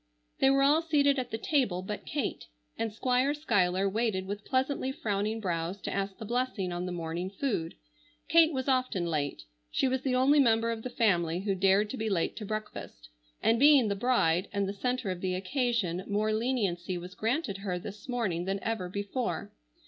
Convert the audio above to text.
They were all seated at the table but Kate, and Squire Schuyler waited with pleasantly frowning brows to ask the blessing on the morning food. Kate was often late. She was the only member of the family who dared to be late to breakfast, and being the bride and the centre of the occasion more leniency was granted her this morning than ever before.